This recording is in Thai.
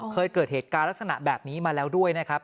เคยเกิดเหตุการณ์ลักษณะแบบนี้มาแล้วด้วยนะครับ